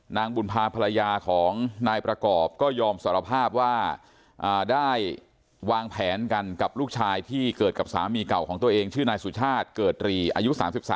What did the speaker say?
นางบุญพาภรรยาของนายประกอบก็ยอมสารภาพว่าได้วางแผนกันกับลูกชายที่เกิดกับสามีเก่าของตัวเองชื่อนายสุชาติเกิดตรีอายุ๓๓